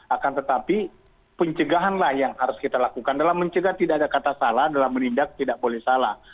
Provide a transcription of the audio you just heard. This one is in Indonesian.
akan tetapi pencegahan lah yang harus kita lakukan dalam mencegah tidak ada kata salah dalam menindak tidak boleh salah